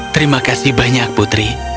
terima kasih banyak putri